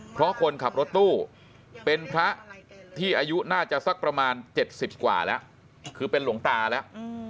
เพราะคนขับรถตู้เป็นพระที่อายุน่าจะสักประมาณ๗๐กว่าแล้วคือเป็นหลวงตาแล้ว